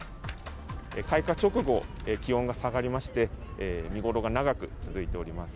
開花直後、気温が下がりまして、見頃が長く続いております。